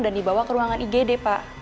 dan dibawa ke ruangan igd pak